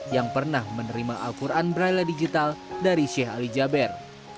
yang pernah menerima al quran braille digital dari sheikh ali jaber